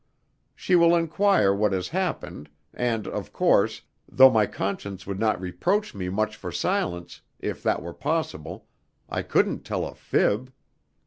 She will enquire what has happened, and, of course, though my conscience would not reproach me much for silence, if that were possible, I couldn't tell a fib."